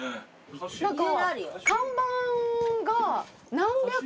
何か。